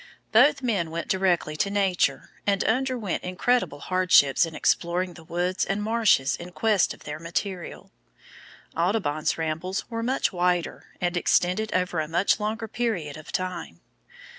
Both men went directly to Nature and underwent incredible hardships in exploring the woods and marshes in quest of their material. Audubon's rambles were much wider, and extended over a much longer period of time.